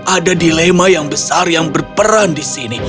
ada dilema yang besar yang berperan di sini